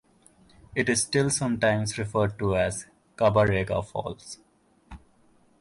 It is still sometimes referred to as Kabarega Falls.